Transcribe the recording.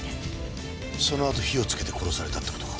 そのあと火をつけて殺されたって事か？